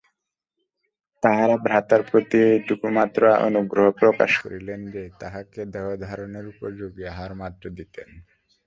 তাঁহারা ভ্রাতার প্রতি এইটুকুমাত্র অনুগ্রহ প্রকাশ করিলেন যে, তাঁহাকে দেহধারণের উপযোগী আহারমাত্র দিতেন।